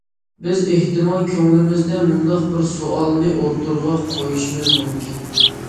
بىز ئېھتىمال كۆڭلىمىزدە مۇنداق بىر سوئالنى ئوتتۇرىغا قويۇشىمىز مۇمكىن.